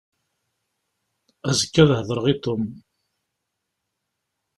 Azekka ad hedreɣ i Tom.